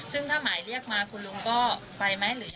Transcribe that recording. ซึ่งถ้าหมายเรียกมาคุณลุงก็ไปไหมหรือ